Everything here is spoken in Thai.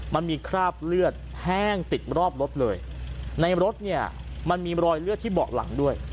มันมีคราบเลือดแห้งติดรอบรถเลยในรถเนี่ยมันมีรอยเลือดที่เบาะหลังด้วย